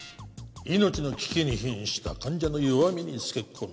命の危機にひんした患者の弱みにつけこみ